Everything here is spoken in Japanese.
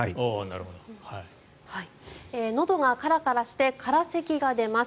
のどがカラカラして空せきが出ます。